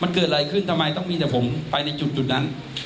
มันเกิดอะไรขึ้นทำไมต้องมีแต่ผมไปในจุดนั้น